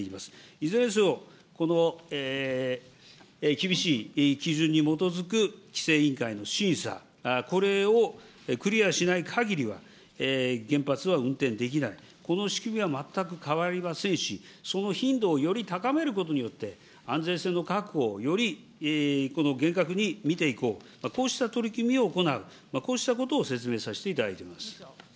いずれにせよ、この厳しい基準に基づく規制委員会の審査、これをクリアしないかぎりは、原発は運転できない、この仕組みは全く変わりませんし、その頻度をより高めることによって、安全性の確保をよりこの厳格に見ていこう、こうした取り組みを行う、こうしたことを説明させていただいています。